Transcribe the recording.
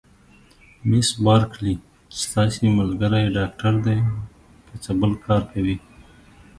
مس بارکلي: ستاسي ملګری ډاکټر دی، که څه بل کار کوي؟